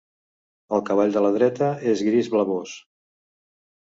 El cavall de la dreta és gris blavós.